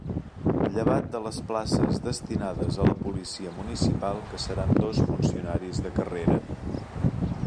Llevat de les places destinades a la Policia Municipal que seran dos funcionaris de carrera.